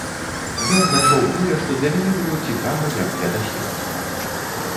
Я знайшоў тое, што для мяне было цікава як для даследчыка.